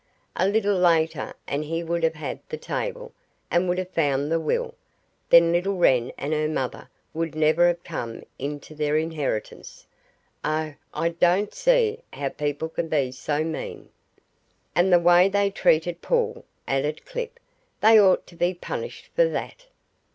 A little later and he would have had the table, and would have found the will. Then little Wren and her mother would never have come into their inheritance. Oh, I don't see how people can be so mean!" "And the way they treated Paul," added Clip. "They ought to be punished for that."